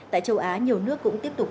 tại châu á nhiều nước cũng tiếp tục